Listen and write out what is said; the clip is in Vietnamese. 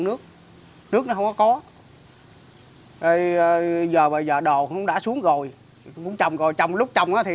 nước nước nó không có có bây giờ bây giờ đồ không đã xuống rồi muốn chồng rồi chồng lúc chồng nó thì